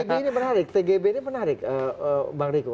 tgb ini menarik tgb ini menarik bang riku